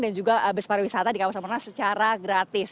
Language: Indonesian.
dan juga bespari wisata di kawasan monas secara gratis